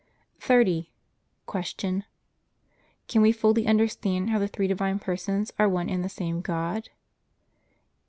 30. Q. Can we fully understand how the three Divine Persons are one and the same God?